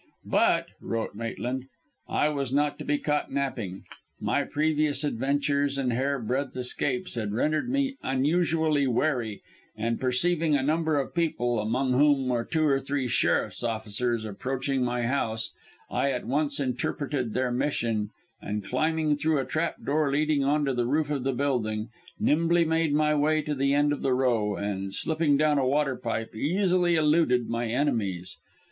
"But," wrote Maitland, "I was not to be caught napping. My previous adventures and hairbreadth escapes had rendered me unusually wary, and perceiving a number of people, among whom were two or three sheriff's officers, approaching my house, I at once interpreted their mission, and climbing through a trap door leading on to the roof of the building, nimbly made my way to the end of the row, and slipping down a waterpipe easily eluded my enemies.